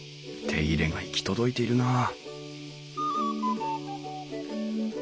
手入れが行き届いているなあ